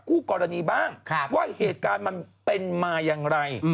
คู่กรณีบ้างว่าเหตุการณ์มันเป็นมาอย่างไร